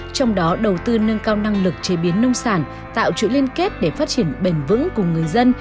trong đó đầu tư nâng cao năng lực chế biến nông sản tạo chuỗi liên kết để phát triển bền vững cùng người dân